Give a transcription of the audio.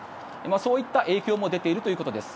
そういった影響も出ているということです。